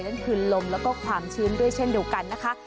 และคืนลมและความชื้นด้วยเช่นเดียวกันนะคะ